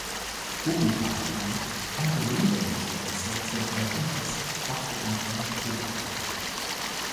Hubbi Hatun, ein berühmter Dichter des sechzehnten Jahrhunderts, war für ihn eine Hofdame.